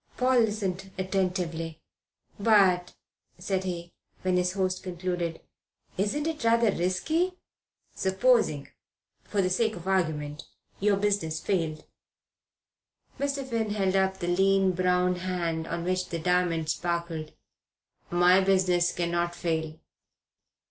Paul listened attentively. "But," said he, when his host concluded, "isn't it rather risky? Supposing, for the sake of argument, your business failed." Mr. Finn held up the lean, brown hand on which the diamond sparkled. "My business cannot fail."